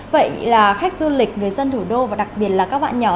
vậy là khách du lịch người dân thủ đô và đặc biệt là các bạn nhỏ